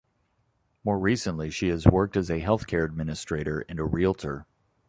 More recently she has worked as a healthcare administrator and a realtor.